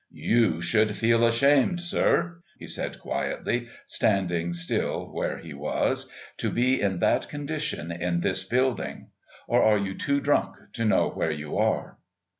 "You should feel ashamed, sir," he said quietly, standing still where be was, "to be in that condition in this building. Or are you too drunk to know where you are?"